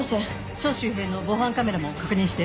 署周辺の防犯カメラも確認して。